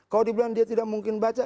kalau dibilang dia tidak mungkin baca